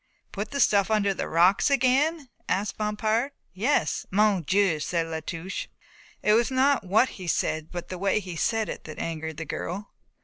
"Put the stuff under the rocks again?" asked Bompard. "Yes." "Mon Dieu!" said La Touche. It was not what he said but the way he said it that angered the girl.